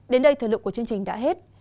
đến đây thời lục của chương trình đã hết